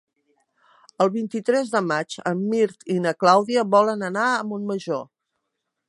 El vint-i-tres de maig en Mirt i na Clàudia volen anar a Montmajor.